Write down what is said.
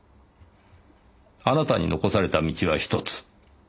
あなたに残された道はひとつ。